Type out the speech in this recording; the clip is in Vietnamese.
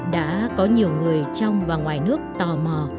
đã có nhiều người trong và ngoài nước tò mò